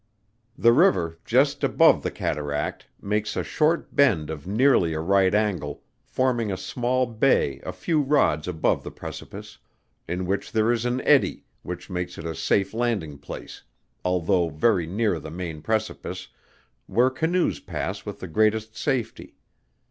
The river, just above the cataract, makes a short bend of nearly a right angle, forming a small bay a few rods above the precipice, in which there is an eddy, which makes it a safe landing place, although very near the main precipice, where canoes pass with the greatest safety.